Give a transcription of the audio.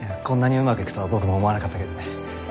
こんなにうまくいくとは僕も思わなかったけどね。